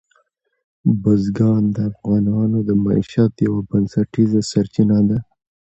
بزګان د افغانانو د معیشت یوه بنسټیزه سرچینه ده.